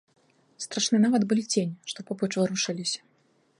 Страшны нават былі цені, што побач варушыліся.